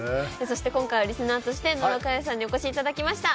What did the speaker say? そして今回はリスナーとして野呂佳代さんにお越しいただきました。